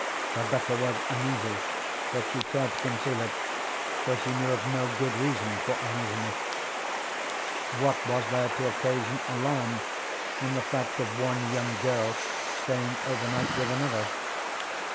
Rebecca was uneasy, but she tried to conceal it, for she knew of no good reason for uneasiness. What was there to occasion alarm in the fact of one young girl staying overnight with another?